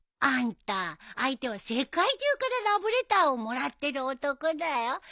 あんた相手は世界中からラブレターをもらってる男だよ。